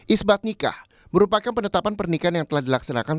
isbat nikah merupakan penetapan pernikahan yang telah dilaksanakan